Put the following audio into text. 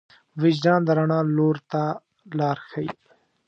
وجدان د رڼا لور ته لار ښيي.